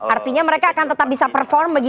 artinya mereka akan tetap bisa perform